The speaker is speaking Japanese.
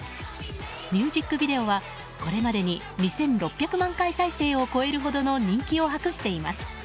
ミュージックビデオはこれまでに２６００万回再生されるほどの人気を博しています。